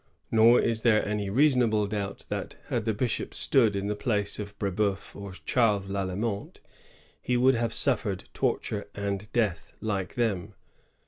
Nor is there any reasonable doubt that, had the bishop stood in the place of BrA)euf or Charles Lalemant, he would have suffered torture and death like them.